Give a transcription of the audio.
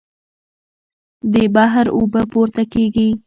د بحر اوبه پورته کېږي.